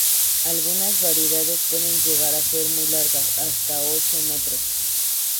Algunas variedades pueden llegar a ser muy largas: hasta ocho metros.